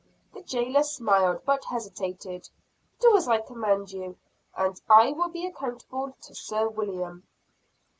The jailer smiled, but hesitated. "Do as I command you, and I will be accountable to Sir William."